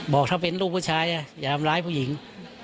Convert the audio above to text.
บอกถ้าเป็นลูกผู้ชายอย่าทำร้ายผู้หญิง